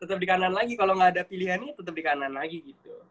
tetep di kanan lagi kalo gak ada pilihannya tetep di kanan lagi gitu